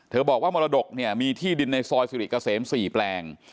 บอกว่ามรดกเนี่ยมีที่ดินในซอยสิริเกษม๔แปลง